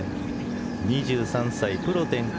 ２３歳プロ転向